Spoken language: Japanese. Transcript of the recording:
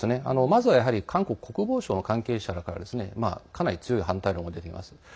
まずは、やはり韓国国防省の関係者らからかなり強い反対論が出ています。